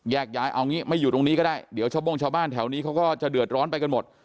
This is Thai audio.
ย้ายเอางี้ไม่อยู่ตรงนี้ก็ได้เดี๋ยวชาวโบ้งชาวบ้านแถวนี้เขาก็จะเดือดร้อนไปกันหมด